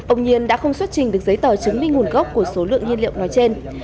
ông nhiên đã không xuất trình được giấy tờ chứng minh nguồn gốc của số lượng nhiên liệu nói trên